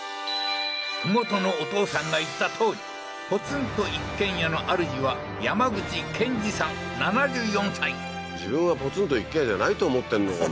麓のお父さんが言ったとおりポツンと一軒家のあるじは自分はポツンと一軒家じゃないと思ってんのもすごいよね